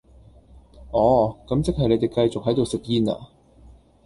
哦,咁即係你哋繼續喺度食煙呀?